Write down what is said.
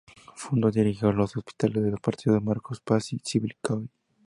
Fundó y dirigió los hospitales de los partidos de Marcos Paz y Chivilcoy.